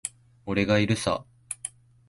俺がいるさ。